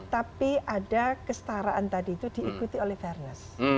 tapi ada kestaraan tadi itu diikuti oleh fairness